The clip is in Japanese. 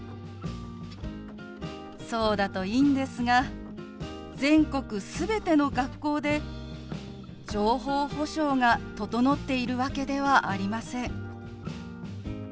そうだといいんですが全国全ての学校で情報保障が整っているわけではありません。